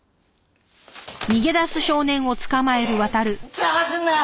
邪魔すんなよ！